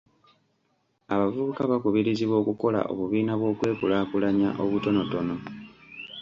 Abavubuka bakubirizibwa okukola obubiina bw'okwekulaakulanya obutonotono.